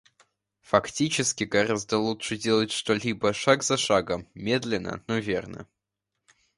Фактически, гораздо лучше делать что-либо шаг за шагом, медленно, но верно.